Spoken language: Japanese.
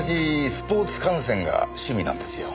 スポーツ観戦が趣味なんですよ。